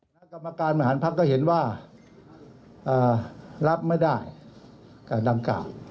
กรรมการมหานภักดิ์ก็เห็นว่ารับไม่ได้การดำกราบ